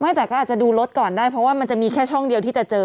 แต่ก็อาจจะดูรถก่อนได้เพราะว่ามันจะมีแค่ช่องเดียวที่จะเจอ